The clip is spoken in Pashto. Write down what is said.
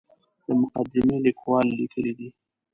د مقدمې لیکوال لیکلي دي.